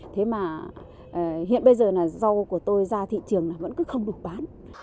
thế mà hiện bây giờ là rau của tôi ra thị trường là vẫn cứ không được bán